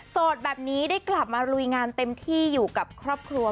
แบบนี้ได้กลับมาลุยงานเต็มที่อยู่กับครอบครัว